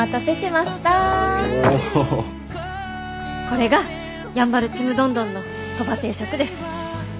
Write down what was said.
これがやんばるちむどんどんのそば定食です。